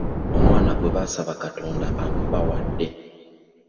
Omwana gwe mwasaba Katonda amubawadde.